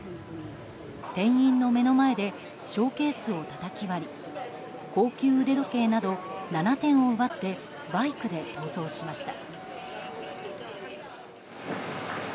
店員の目の前でショーケースをたたき割り高級腕時計など７点を奪ってバイクで逃走しました。